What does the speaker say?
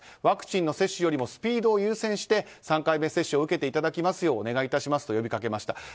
ワクチンの接種よりもスピードを優先して３回目接種を受けていただきますようお願い致しますと呼びかけました。